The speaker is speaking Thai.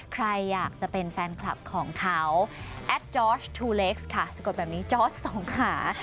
ใครอยากจะเป็นแฟนคลับของเขาแอดจอร์ชทูเล็กซ์ค่ะสะกดแบบนี้จอร์สสองขา